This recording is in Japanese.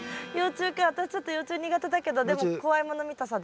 私ちょっと幼虫苦手だけどでも怖いもの見たさで。